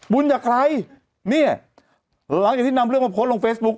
จากใครเนี่ยหลังจากที่นำเรื่องมาโพสต์ลงเฟซบุ๊ค